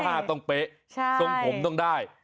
ห้าต้องเป๊ะส้มหงล์ต้องได้